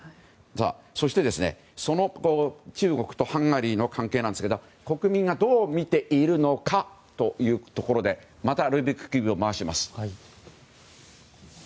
そして、その中国とハンガリーの関係ですけど国民がどう見ているのかということでまたルービックキューブ回します。